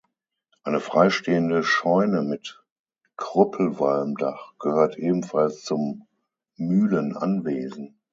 Eine freistehende Scheune mit Krüppelwalmdach gehört ebenfalls zum Mühlenanwesen.